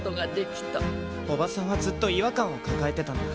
おばさんはずっと違和感を抱えてたんだ。